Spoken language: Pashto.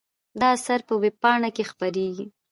دا اثر په وېبپاڼه کې خپریږي.